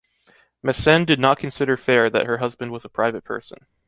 Mesene did not consider fair that her husband was a private person.